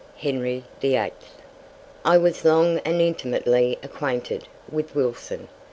Henry VIII. I was long and intimately acquainted with Wilson.